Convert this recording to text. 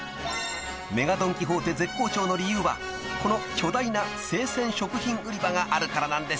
［ＭＥＧＡドン・キホーテ絶好調の理由はこの巨大な生鮮食品売り場があるからなんです］